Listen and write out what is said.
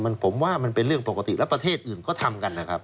มันผมว่ามันเป็นเรื่องปกติแล้วประเทศอื่นก็ทำกันนะครับ